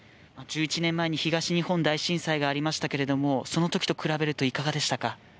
１１年前に東日本大震災がありましたが、そのときと比べるといかがでしたか？